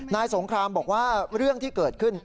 สงครามบอกว่าเรื่องที่เกิดขึ้น